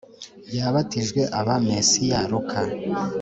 yabatijwe aba Mesiya Luka